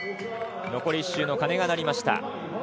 残り１周の鐘が鳴りました。